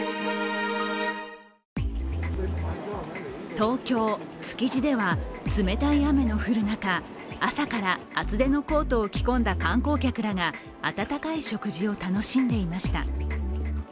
東京・築地では冷たい雨の降る中朝から厚手のコートを着込んだ観光客らが温かい食事を楽しんでいました。